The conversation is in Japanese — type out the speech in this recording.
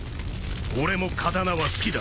俺も刀は好きだ。